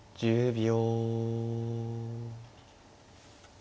１０秒。